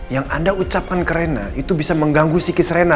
yang anda ucapkan ke reina itu bisa mengganggu sikis reina